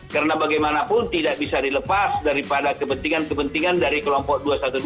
karena bagaimanapun tidak bisa dilepas daripada kepentingan kepentingan dari kelompok dua ratus dua belas